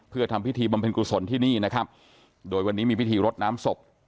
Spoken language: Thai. เพื่อทำพิธีบำเพ็ญกุศลที่นี่นะครับโดยวันนี้มีพิธีรดน้ำศพ